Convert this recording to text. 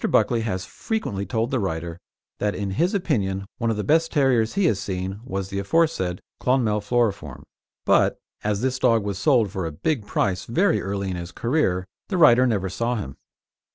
Buckley has frequently told the writer that in his opinion one of the best terriers he has seen was the aforesaid Clonmel Floriform, but, as this dog was sold for a big price very early in his career, the writer never saw him.